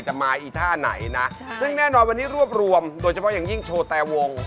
จะมาอีท่าไหนนะซึ่งแน่นอนวันนี้รวบรวมโดยเฉพาะอย่างยิ่งโชว์แต่วง